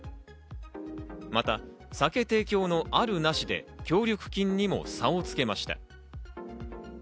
また酒提供のある、なしで協力金にも差をつけました。